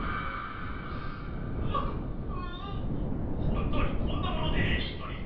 本当にこんなものでエリートに！？